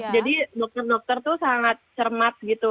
jadi dokter dokter itu sangat cermat gitu